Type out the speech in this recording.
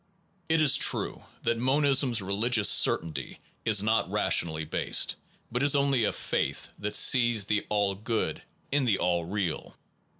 It is true that monism s religious certainty is not rationally based, but is only a faith that sees the All Good in the All Real.